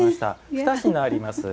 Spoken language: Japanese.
二品あります。